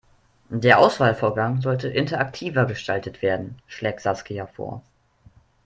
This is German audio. Der Auswahlvorgang sollte interaktiver gestaltet werden, schlägt Saskia vor.